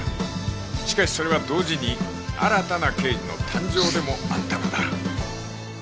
しかしそれは同時に新たな刑事の誕生でもあったのだ